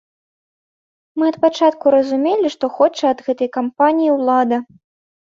Мы ад пачатку разумелі, што хоча ад гэтай кампаніі ўлада.